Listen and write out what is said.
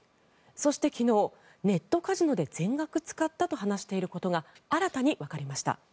そして、昨日ネットカジノで全額使ったと話していることが新たにわかりました。